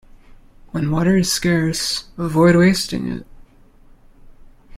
When water is scarce, avoid wasting it.